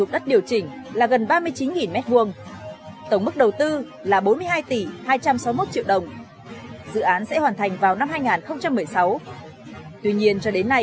đây là một dự án đã hoàn thiện